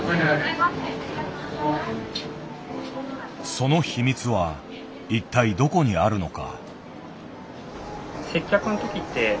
その秘密は一体どこにあるのか。